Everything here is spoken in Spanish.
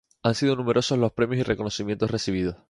Han sido numerosos los premios y reconocimientos recibidos.